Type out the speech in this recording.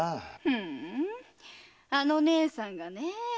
ふんあの義姉さんがねえ。